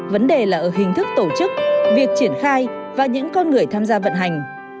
vấn đề là ở hình thức tổ chức việc triển khai và những con người tham gia vận hành